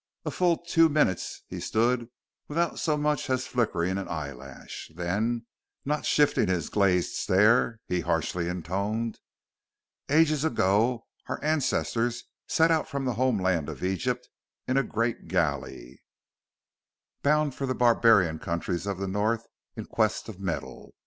A full two minutes he stood without so much as flicking an eyelash; then, not shifting his glazed stare, he harshly intoned: "Ages ago our ancestors set out from the homeland of Egypt in a great galley, bound for the barbarian countries of the north in quest of metal.